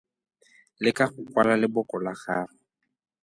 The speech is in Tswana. Leka go kwala leboko la gago.